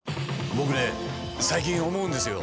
僕ね最近思うんですよ。